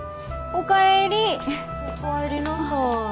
お帰りなさい。